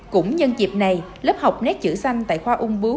cũng nhân dịp này lớp học nét chữ xanh tại khoa úng bướu